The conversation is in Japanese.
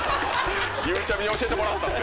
ゆうちゃみに教えてもらったって。